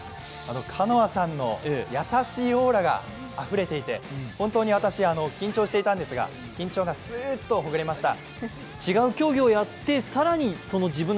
カノアさんの優しいオーラがあふれていて本当に私、緊張していたんですが緊張がスーっとほぐれました。